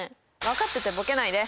分かっててぼけないで。